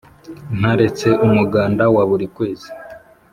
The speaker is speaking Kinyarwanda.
ntaretse umuganda wa buri kwezi